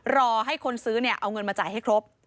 รอให้คนซื้อเนี่ยเอาเงินมาจ่ายให้ครบ